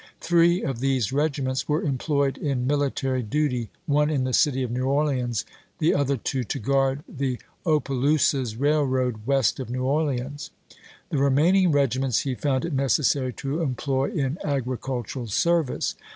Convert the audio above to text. Three of these regiments were employed in military duty, one in the city of New 452 ABEAHAM LINCOLN Chap. XX. Orleans, the other two to guard the Opelousas Raih'oad west of New Orleans. The remaining regiments he found it necessary to employ in agri cultural service.